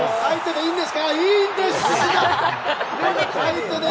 いいんです！